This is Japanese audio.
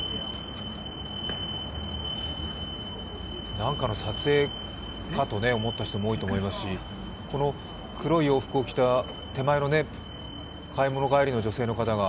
なんかの撮影かと思った人も多いと思いますしこの黒い洋服を着た手前の買い物帰りの女性の方が